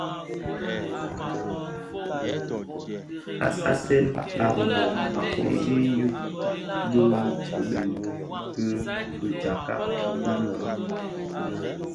Asen a Rimoh a koosi yü bi kibeňi ki fitsakka fi merad.